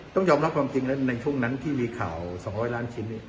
ต้องยอมรับความจริงและในช่วงนั้นที่มีข่าวสองร้อยล้านชิ้นนี้